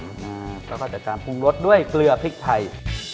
แล้วก็จัดการปรุงรสด้วยเกลือพริกไทย